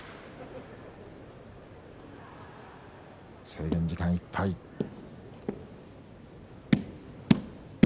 制限時間いっぱいです。